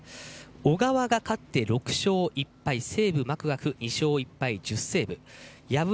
小川が勝って６勝１敗セーブはマクガフ２勝１敗１０セーブ